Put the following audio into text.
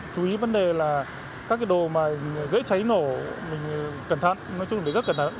chú ý vấn đề là các cái đồ mà dễ cháy nổ mình cẩn thận nói chung là rất cẩn thận